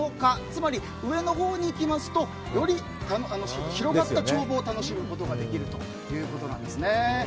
つまり上のほうに行きますとより広がった眺望を楽しむことができるということなんですねえ。